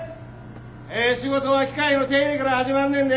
ええ仕事は機械の手入れから始まんねんで！